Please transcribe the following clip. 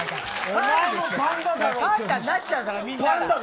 パンダになっちゃうからみんな。